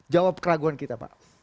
jawab keraguan kita pak